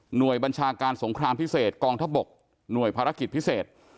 บัญชาการสงครามพิเศษกองทัพบกหน่วยภารกิจพิเศษ